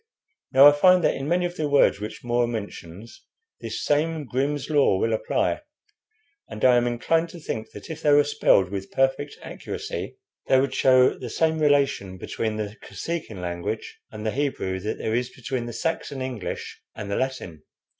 Now, I find that in many of the words which More mentions this same 'Grimm's Law' will apply; and I am inclined to think that if they were spelled with perfect accuracy they would show the same relation between the Kosekin language and the Hebrew that there is between the Saxon English and the Latin."